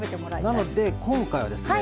なので今回はですね